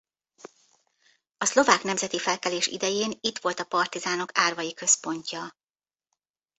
A szlovák nemzeti felkelés idején itt volt a partizánok árvai központja.